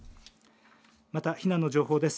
また、避難の情報です。